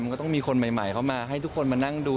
มันก็ต้องมีคนใหม่เข้ามาให้ทุกคนมานั่งดู